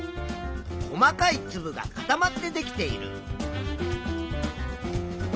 細かいつぶが固まってできている。